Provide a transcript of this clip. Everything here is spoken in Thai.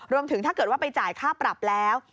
ถ้าเกิดว่าไปจ่ายค่าปรับแล้ว